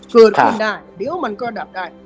คือดขึ้นได้เดี๋ยวจะดับได้